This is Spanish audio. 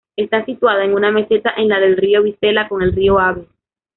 Está situada en una meseta en la del río Vizela con el río Ave.